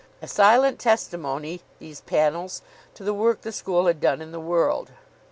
A silent testimony, these panels, to the work the school had done in the world.